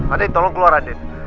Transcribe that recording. andin tolong keluar andin